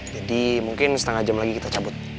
jadi mungkin setengah jam lagi kita cabut